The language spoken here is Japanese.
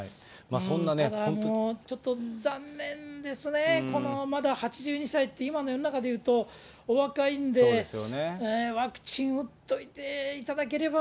ただちょっと、残念ですね、このまだ８２歳って、今の世の中でいうと、お若いんで、ワクチン打っといていただければ。